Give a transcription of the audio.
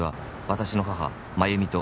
「私の母・麻由美と」